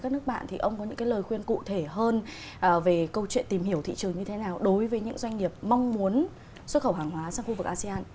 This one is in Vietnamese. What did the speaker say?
đối với những doanh nghiệp mong muốn xuất khẩu hàng hóa sang khu vực asean